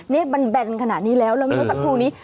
นี่บันแบนขนาดนี้แล้วเราไม่รู้สักครู่นี้